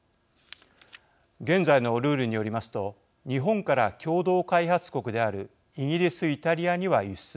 現在のルールによりますと日本から共同開発国であるイギリス・イタリアには輸出できます。